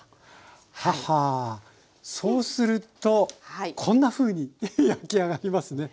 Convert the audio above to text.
ははそうするとこんなふうに焼き上がりますね。